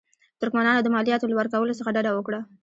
ترکمنانو د مالیاتو له ورکولو څخه ډډه وکړه.